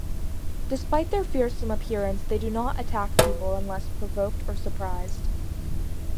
Despite their fearsome appearance, they do not attack people unless provoked or surprised.